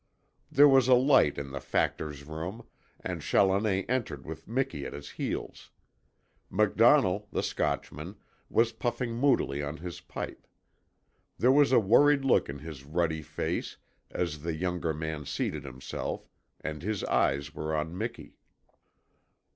There was a light in the Factor's room, and Challoner entered with Miki at his heels. MacDonnell, the Scotchman, was puffing moodily on his pipe. There was a worried look in his ruddy face as the younger man seated himself, and his eyes were on Miki.